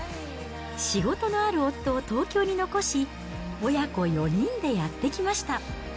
仕事のある夫を東京に残し、親子４人でやって来ました。